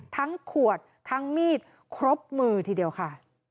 ขวดทั้งมีดครบมือทีเดียวค่ะ